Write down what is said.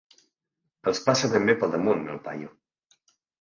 Els passa ben bé pel damunt, el paio.